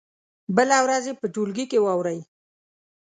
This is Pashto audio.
بله ورځ یې په ټولګي کې واوروئ.